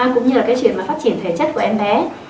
cũng như là cái chuyện mà phát triển thể chất của em bé